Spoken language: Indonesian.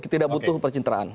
tidak butuh percintraan